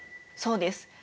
そうです。